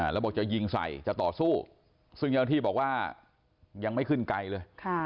แล้วบอกจะยิงใส่จะต่อสู้ซึ่งเจ้าหน้าที่บอกว่ายังไม่ขึ้นไกลเลย